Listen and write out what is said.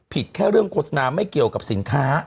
แค่เรื่องโฆษณาไม่เกี่ยวกับสินค้า